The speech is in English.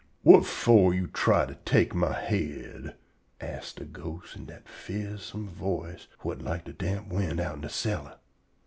"Whut for you try to take my head?" as' de ghost in dat fearsome voice whut like de damp wind outen de cellar.